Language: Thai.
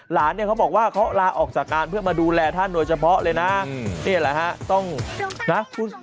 หลานเนี่ยเขาบอกว่าเขาลาออกจากการเพื่อมาดูแลท่านโดยเฉพาะเลยนะ